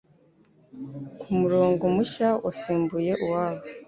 ko umurongo mushya wasimbuye uwabo